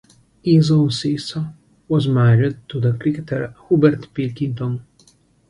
His own sister was married to the cricketer Hubert Pilkington.